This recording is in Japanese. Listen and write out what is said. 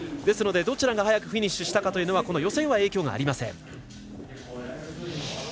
ですのでどちらが早くフィニッシュしたかというのは予選は影響がありません。